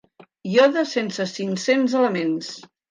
Iode sense cinc-cents elements.